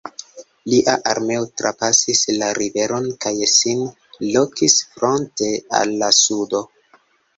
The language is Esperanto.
Lia armeo trapasis la riveron kaj sin lokis fronte al la sudo.